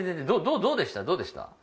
どうでした？